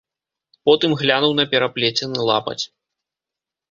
Потым глянуў на пераплецены лапаць.